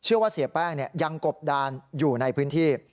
เชื่อว่าเสียแป้งยังกบดานอยู่ในพื้นที่